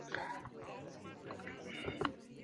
Ambos habían sellado una promesa de nunca dejar el club.